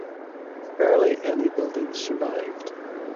Barely any buildings survived.